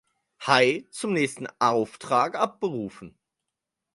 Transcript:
High zum nächsten Auftrag abberufen.